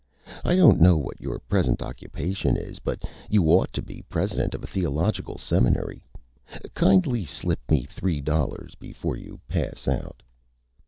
I don't know what your present Occupation is, but you ought to be President of a Theological Seminary. Kindly slip me Three Dollars before you Pass Out."